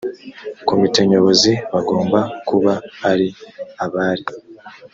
komite nyobozi bagomba kuba ari abari